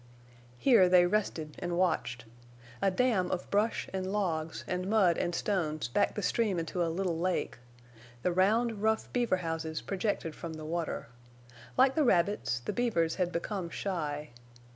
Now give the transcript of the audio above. Here they rested and watched. A dam of brush and logs and mud and stones backed the stream into a little lake. The round, rough beaver houses projected from the water. Like the rabbits, the beavers had become shy.